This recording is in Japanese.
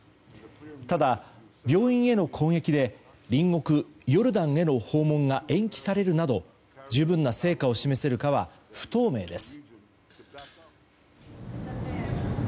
ただ、病院への攻撃で隣国ヨルダンへの訪問が延期されるなど、十分な成果を示せるかは不透明です。